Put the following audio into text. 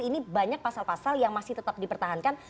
ini banyak pasal pasal yang masih tetap dipertahankan